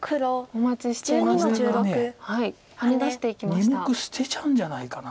２目捨てちゃうんじゃないかな。